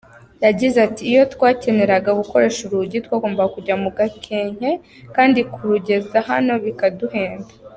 Yagize ati “Iyo twakeneraga gukoresha urugi twagombaga kujya mu Gakenke kandi kurugeza hano bikaduhenda.